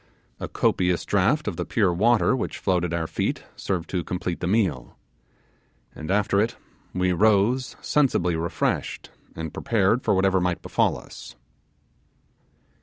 A copious draught of the pure water which flowed at our feet served to complete the meal, and after it we rose sensibly refreshed, and prepared for whatever might befall us.